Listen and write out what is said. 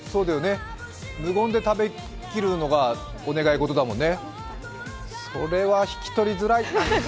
無言で食べきるのがお願い事だもんね。